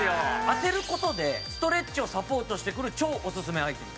当てることでストレッチをサポートしてくれる超オススメアイテム。